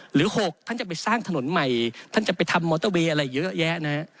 หรือ๖ท่านจะไปสร้างถนนใหม่ท่านจะไปทำมอเตอร์เวย์อะไรเยอะแยะนะฮะ